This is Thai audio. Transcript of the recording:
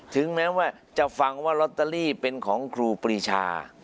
ถึงแม้ว่าจะฟังว่าลอตเตอรี่เป็นของครูปรีชา